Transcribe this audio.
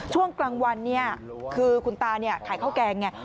ช่วงกลางวันคือคุณตาขายข้าวแกงไง